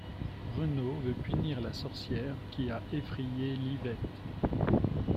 Renaud veut punir la sorcière qui a effrayé Livette.